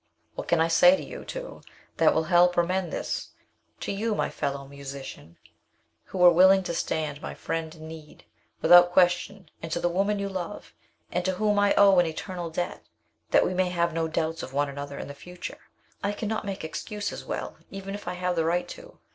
What can I say to you two that will help or mend this to you, my fellow musician, who were willing to stand my friend in need, without question; and to the woman you love, and to whom I owe an eternal debt that we may have no doubts of one another in the future? I cannot make excuses well, even if I have the right to.